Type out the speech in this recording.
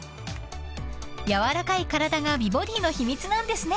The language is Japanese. ［軟らかい体が美ボディーの秘密なんですね］